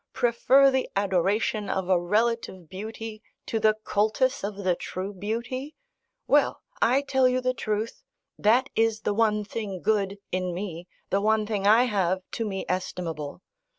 prefer the adoration of a relative beauty to the cultus of the true beauty? Well! I tell you the truth. That is the one thing good in me: the one thing I have, to me estimable.